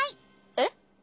えっ？